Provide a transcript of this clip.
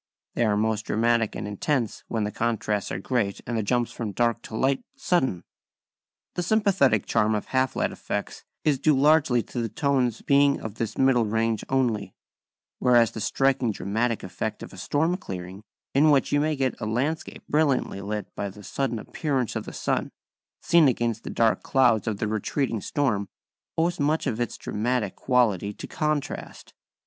# #They are most dramatic and intense when the contrasts are great and the jumps from dark to light sudden.# The sympathetic charm of half light effects is due largely to the tones being of this middle range only; whereas the striking dramatic effect of a storm clearing, in which you may get a landscape brilliantly lit by the sudden appearance of the sun, seen against the dark clouds of the retreating storm, owes much of its dramatic quality to contrast.